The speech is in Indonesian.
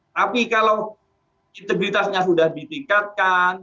tapi kalau integritasnya sudah ditingkatkan